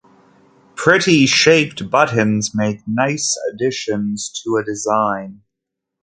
Pretty shaped buttons make nice additions to a design.